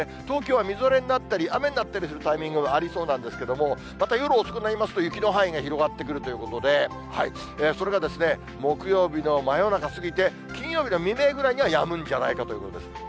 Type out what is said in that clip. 東京はみぞれになったり、雨になったりするタイミングはありそうなんですけれども、また夜遅くなりますと、雪の範囲が広がってくるということで、それが木曜日の真夜中過ぎて、金曜日の未明ぐらいにはやむんじゃないかということです。